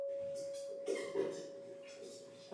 Je zde vystavena sbírka modelů lodí.